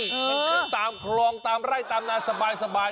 คือตามครองตามไร่ตามรายสบาย